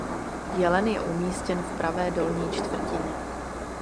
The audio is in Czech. Jelen je umístěn v pravé dolní čtvrtině.